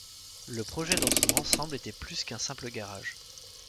Le projet dans son ensemble était plus qu'un simple garage.